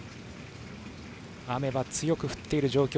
雨は強く降っている状況。